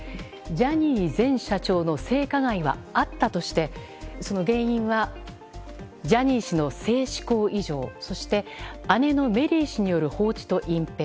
ジャニー前社長の性加害はあったとしてその原因はジャニー氏の性嗜好異常そして姉のメリー氏による放置と隠蔽。